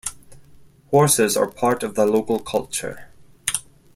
Horses are part of the local culture.